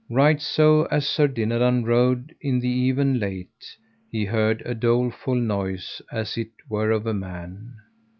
Right so as Sir Dinadan rode in the even late he heard a doleful noise as it were of a man.